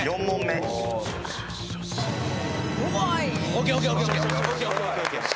ＯＫＯＫＯＫ。